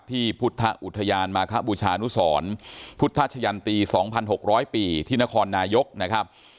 ที่พุทธอุทยานมาคบูชานุสรพุทธชะยันตี๒๖๐๐ปีที่นครนายกนะครับ